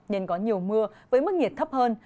nên có nhiều mưa với mức nhiệt thấp hơn